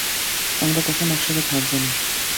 আমরা কখনো একসাথে থাকবো না।